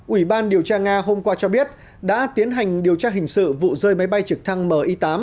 ủy ban điều tra nga hôm qua cho biết đã tiến hành điều tra hình sự vụ rơi máy bay trực thăng mi tám